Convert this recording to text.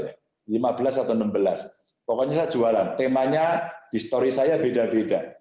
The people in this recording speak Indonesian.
lima belas atau enam belas pokoknya saya jualan temanya di story saya beda beda